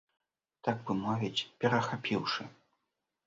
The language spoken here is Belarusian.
Так бы мовіць, перахапіўшы.